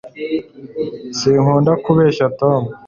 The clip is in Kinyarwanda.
sinkunda kubeshya tom